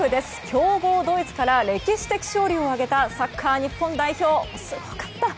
強豪ドイツから歴史的勝利を挙げた、サッカー日本代表すごかった。